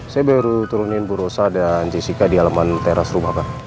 saya baru turunin bu rosa dan jessica di halaman teras rumah pak